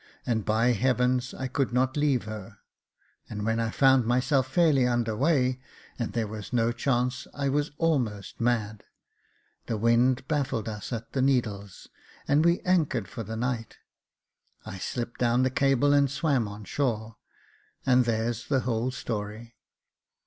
and, by heavens, I could not leave her : and when I found myself fairly under weigh, and there was no chance, I was almost mad j the wind baffled us at the Needles, and we anchored for the night ; I slipped down the cable and swam on shore, and there's the whole story."